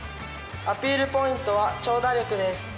アピールポイントは長打力です。